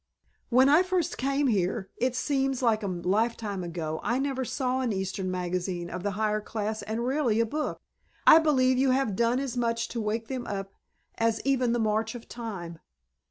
"When I first came here it seems a lifetime ago! I never saw an Eastern magazine of the higher class and rarely a book. I believe you have done as much to wake them up as even the march of time.